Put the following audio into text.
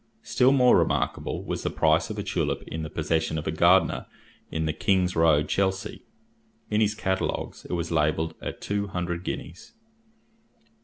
Still more remarkable was the price of a tulip in the possession of a gardener in the King's Road, Chelsea; in his catalogues it was labelled at two hundred guineas.